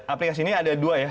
aplikasi ini ada dua ya